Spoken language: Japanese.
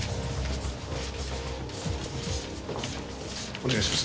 お願いします。